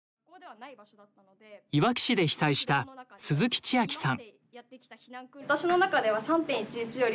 いわき市で被災した鈴木千秋さん。